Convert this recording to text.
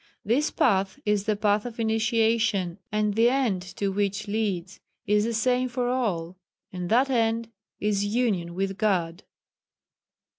This Path is the Path of Initiation, and the end to which leads is the same for all, and that end is Union with God.